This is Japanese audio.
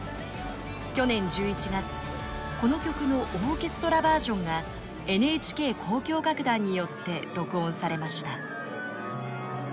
去年１１月この曲のオーケストラバージョンがＮＨＫ交響楽団によって録音されました。